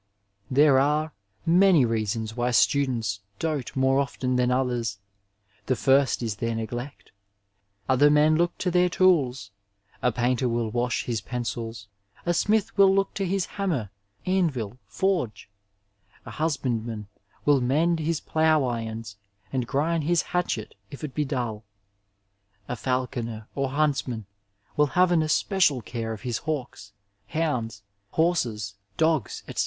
There are '^ many reasons why students dote more often than otfaefs. The first is their negligence ; other men look to their tools, a painter will wash his pencils, a smith will look to his hammer, anvil, forge; a husbuidman will mend his {dough irons, and grind his hatchet, if it be dull ; a falconer os hl^ltaman wiU have an e^ecial care of his hawks, hounds, horses, dogs, etc.